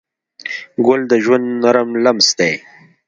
ګل د ژوند نرم لمس دی.